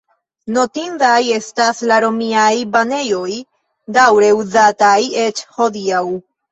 Notindaj estas la romiaj banejoj, daŭre uzataj eĉ hodiaŭ.